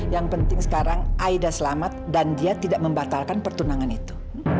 yang penting sekarang aida selamat dan dia tidak membatalkan pertunangan itu